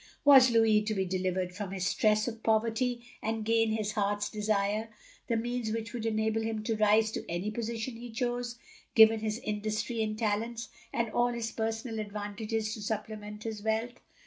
Was Louis to be delivered from his stress of poverty, and gain his heart's desire — ^the means which would enable him to rise to any position he chose — given his industry and talents, and all his personal advantages to supplement his wealth?